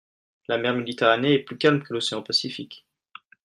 La mer Méditerranée est plus calme que l'océan Pacifique.